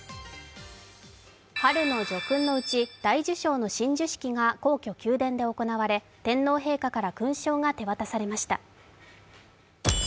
春の叙勲のうち大綬章の親授式が皇居で行われ天皇陛下から勲章が手渡されました。